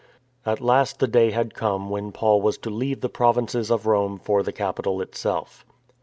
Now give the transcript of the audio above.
At last the day had come when Paul was to leave the provinces of Rome for the capital itself.